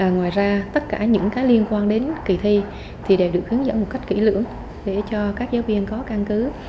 ngoài ra tất cả những cái liên quan đến kỳ thi thì đều được hướng dẫn một cách kỹ lưỡng để cho các giáo viên có căn cứ